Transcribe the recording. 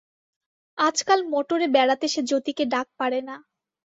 আজকাল মোটরে বেড়াতে সে যতীকে ডাক পাড়ে না।